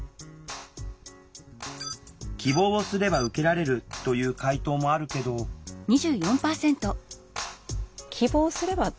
希望をすれば受けられるという回答もあるけどなるほどね。